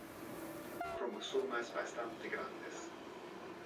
Cromosomas bastante grandes.